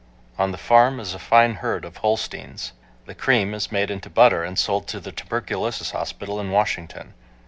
On the farm is a fine herd of Holsteins. The cream is made into butter and sold to the tuberculosis hospital in Washington.